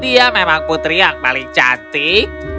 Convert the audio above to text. dia memang putri yang paling cantik